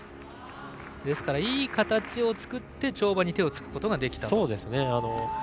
いい形を作って跳馬に手をつくことができたと。